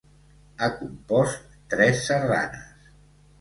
Ha compost tres sardanes.